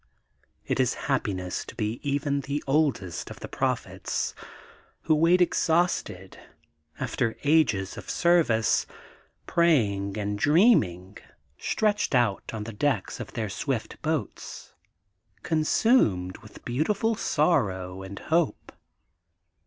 It is happiness to be even the oldest of the prophets, who wait exhausted, after ages of service, praying and dreaming, stretched out on the decks of their swift boats, consumed with beautiful sorrow and hope.